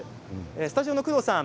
スタジオの工藤さん